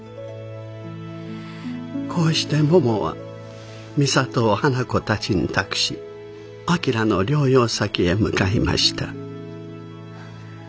こうしてももは美里を花子たちに託し旭の療養先へ向かいました。